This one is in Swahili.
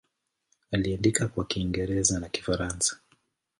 Aliandika kwa Kiingereza na Kifaransa.